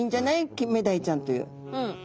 キンメダイちゃんという。